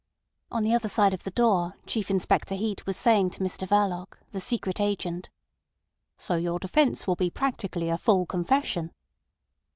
On the other side of the door, Chief Inspector Heat was saying to Mr Verloc, the secret agent: "So your defence will be practically a full confession?"